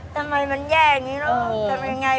ทำไมมันแย่อย่างนี้นะแต่มียังไง